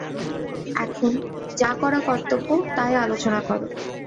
এখন, যা করা কর্তব্য তাই আলোচনা করো।